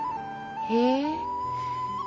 へえ。